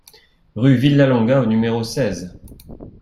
Rue Villalonga au numéro seize